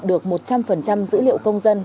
được một trăm linh dữ liệu công dân